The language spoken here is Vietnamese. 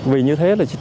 vì như thế là